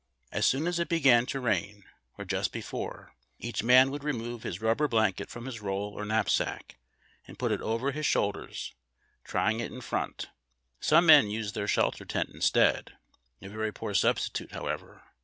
As soon as it began to rain, or just before, each man would remove his rubber blanket from his roll or knapsack, and put it over his shoulders, tying it in front. Some men used their slielter tent instead — a very poor substitute, however.